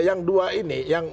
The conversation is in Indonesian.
yang dua ini yang